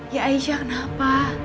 ya aisyah kenapa